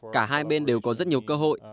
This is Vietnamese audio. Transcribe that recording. cả hai bên đều có rất nhiều cơ hội